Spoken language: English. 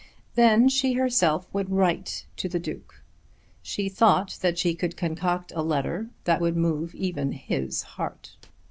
Then she herself would write to the Duke. She thought that she could concoct a letter that would move even his heart.